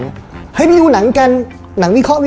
เฮ้ยไปดูหนังกันหนังวิเคราะห์